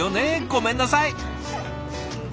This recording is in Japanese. ごめんなさい。